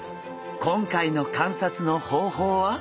今回の観察の方法は。